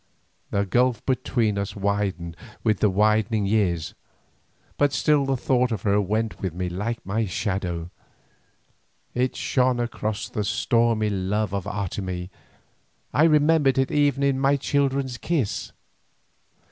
The gulf between us widened with the widening years, but still the thought of her went with me like my shadow; it shone across the stormy love of Otomie, I remembered it even in my children's kiss.